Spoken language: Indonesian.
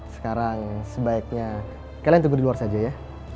sekarang sebaiknya kalian tunggu di luar saja ya